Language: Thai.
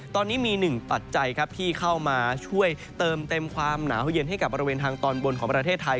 ตอนนี้มีหนึ่งปัจจัยครับที่เข้ามาช่วยเติมเต็มความหนาวเย็นให้กับบริเวณทางตอนบนของประเทศไทย